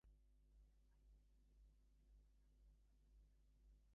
I found it scarcely possible to give credence to his statement.